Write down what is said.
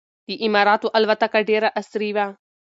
د اماراتو الوتکه ډېره عصري وه.